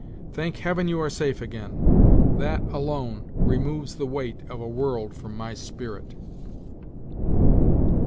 Thank Heaven, you are safe again; that alone removes the weight of a world from my spirit!"